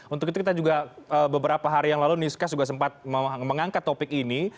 untuk itu kita juga beberapa hari yang lalu newscast juga sempat mengangkat topik ini